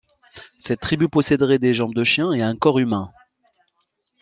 Cette tribu posséderait des jambes de chien et un corps humain.